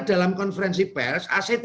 dalam konferensi pers act